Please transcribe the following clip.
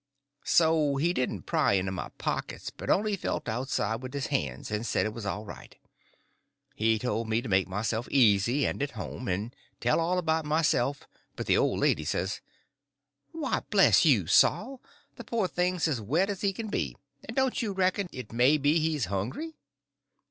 So he didn't pry into my pockets, but only felt outside with his hands, and said it was all right. He told me to make myself easy and at home, and tell all about myself; but the old lady says: "Why, bless you, Saul, the poor thing's as wet as he can be; and don't you reckon it may be he's hungry?"